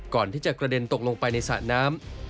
ก่อนที่จะกระเด็นตกลงไปในสระน้ำ